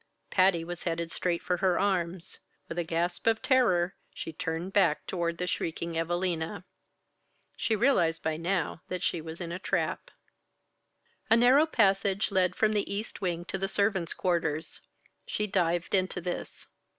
Patty was headed straight for her arms. With a gasp of terror, she turned back toward the shrieking Evalina. She realized by now that she was in a trap. A narrow passage led from the East Wing to the servants' quarters. She dived into this.